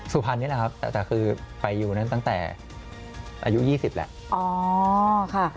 สุพรรณนี่แหละครับแต่คือไปอยู่นั้นตั้งแต่อายุ๒๐แล้ว